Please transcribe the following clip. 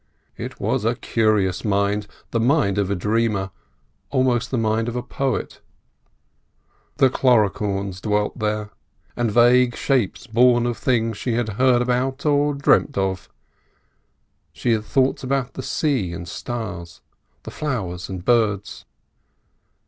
It was a curious mind: the mind of a dreamer, almost the mind of a poet. The Cluricaunes dwelt there, and vague shapes born of things she had heard about or dreamt of: she had thoughts about the sea and stars, the flowers and birds.